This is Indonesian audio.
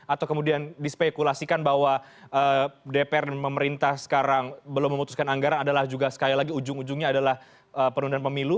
atau kemudian dispekulasikan bahwa dpr dan pemerintah sekarang belum memutuskan anggaran adalah juga sekali lagi ujung ujungnya adalah penundaan pemilu